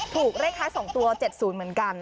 ถูกเลขท้าย๒ตัว๗๐เหมือนกัน